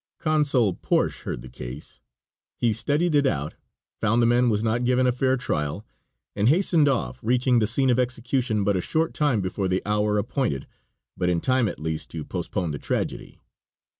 Consul Porch heard of the case. He studied it out, found the man was not given a fair trial, and hastened off, reaching the scene of execution but a short time before the hour appointed, but in time at least to postpone the tragedy.